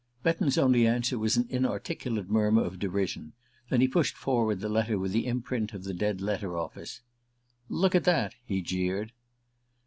Betton's only answer was an inarticulate murmur of derision; then he pushed forward the letter with the imprint of the Dead Letter Office. "Look at that," he jeered.